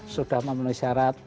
sudah memenuhi syarat